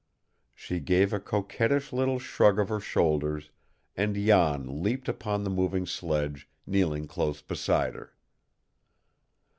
She gave a coquettish little shrug of her shoulders, and Jan leaped upon the moving sledge, kneeling close behind her.